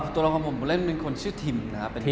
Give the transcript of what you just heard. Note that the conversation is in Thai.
ตัวเราของผมเล่นเป็นคนชื่อทิมนะครับ